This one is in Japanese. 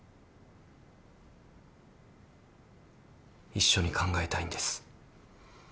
一緒に考えたいんです。